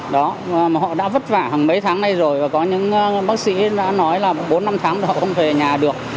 đó họ đã vất vả hàng mấy tháng nay rồi và có những bác sĩ đã nói là bốn năm tháng thì họ không về nhà được